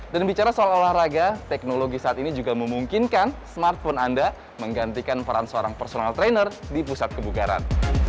dan bicara soal olahraga teknologi saat ini juga memungkinkan smartphone anda menggantikan peran seorang personal trainer di pusat kebugaran